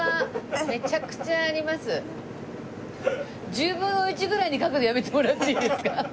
１０分の１ぐらいに描くのやめてもらっていいですか？